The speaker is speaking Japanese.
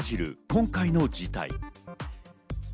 今回の事態。